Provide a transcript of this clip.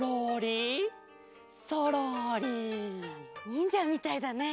にんじゃみたいだね。